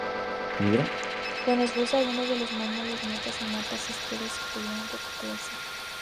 Con esfuerzo, algunos de los mármoles, notas y mapas de Squire pudieron recuperarse.